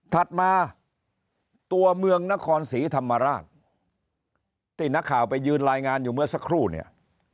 ถัดมาตัวเมืองนครศรีธรรมราชที่นักข่าวไปยืนรายงานอยู่เมื่อสักครู่เนี่ย